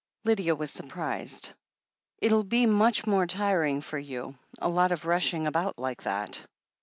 Lydia was surprised. "It'll be much more tiring for you — a. lot of rushing about like that."